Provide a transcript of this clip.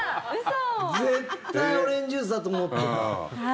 絶対オレンジジュースだと思ってた。